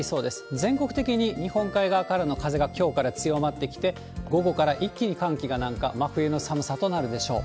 全国的に日本海側からの風がきょうから強まってきて、午後から一気に寒気がなんか、真冬の寒さとなるでしょう。